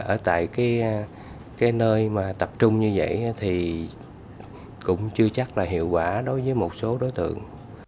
ở tại cái nơi mà tập trung như vậy thì cũng chưa chắc là hiệu quả đối với một số đối tượng